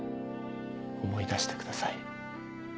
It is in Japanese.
思い出してください。